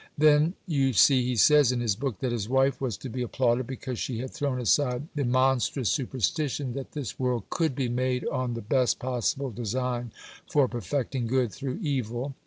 Then, you see he says in his book that his wife was to be applauded, because she had thrown aside the "monstrous superstition" that this world could be made on the best possible design for perfecting Good thro' Evil!...